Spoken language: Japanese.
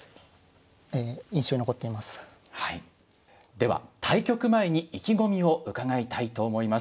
では対局前に意気込みを伺いたいと思います。